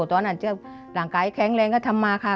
ตอนนั้นเจ็บหลังไกลแข็งแรงก็ทำมาค่ะ